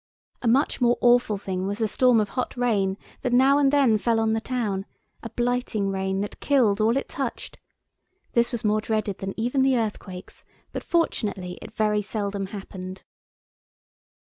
A much more awful thing was the storm of hot rain that now and then fell on the town, a blighting rain that killed all it touched. This was more dreaded than even the earthquakes, but fortunately it very seldom happened.